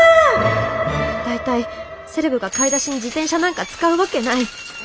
大体セレブが買い出しに自転車なんか使うわけない。